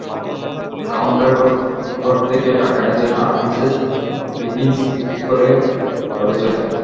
Countess ঘর থেকে টাকা এনেছেন, আর মিসেস হিগিন্স ভিক্ষে করে করেছেন।